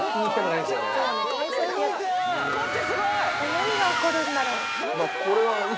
何が起こるんだろう。